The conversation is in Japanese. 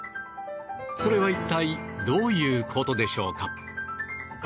それは一体どういうことでしょうか。